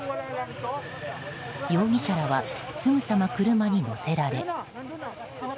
容疑者らはすぐさま車に乗せられ。